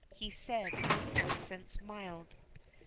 he said, in accents mild.